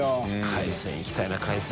海鮮いきたいな海鮮。